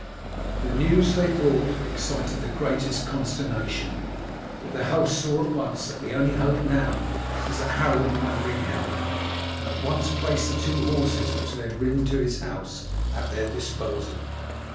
The news they brought excited the greatest consternation, but their host saw at once that the only hope now was that Harold might bring help, and at once placed the two horses which they had ridden to his house at their disposal.